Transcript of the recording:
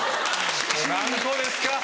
何個ですか？